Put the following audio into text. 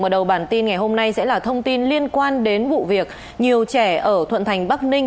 mở đầu bản tin ngày hôm nay sẽ là thông tin liên quan đến vụ việc nhiều trẻ ở thuận thành bắc ninh